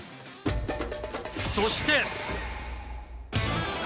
そして。